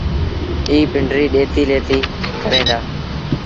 ائيٚݩ پنڊريٚ ڏيتي ليٿيٚ ڪريݩ دآ۔